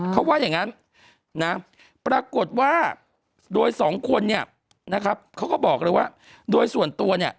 เขาว่าอย่างนั้นนะปรากฏว่าโดยสองคนเนี่ยนะครับเขาก็บอกเลยว่าโดยส่วนตัวเนี่ย